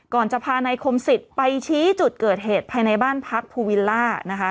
จะพานายคมสิทธิ์ไปชี้จุดเกิดเหตุภายในบ้านพักภูวิลล่านะคะ